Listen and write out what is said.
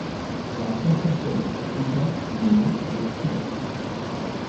La frontière terrestre étend le long de km.